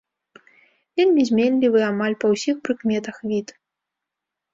Вельмі зменлівы амаль па ўсіх прыкметах від.